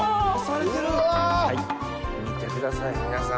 見てください皆さん。